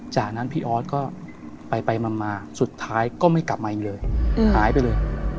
จากนั้นพี่ออสก็ไปมาสุดท้ายก็ไม่กลับมาอีกเลยหายไปเลย